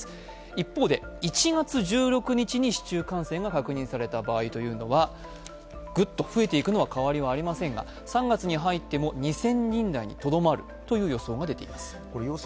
一方で、１月１６日に市中感染が確認された場合というのはぐっと増えていくのは変わりありませんが３月に入っても２０００人台にとどまるという予想が出ています。